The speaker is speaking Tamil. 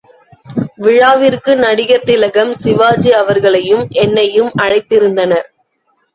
விழாவிற்கு நடிகர் திலகம் சிவாஜி அவர்களையும் என்னையும் அழைத்திருந்தனர்.